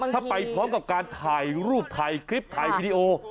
ถ้าไปพร้อมกับการถ่ายรูปถ่ายคลิปถ่ายวีดีโอ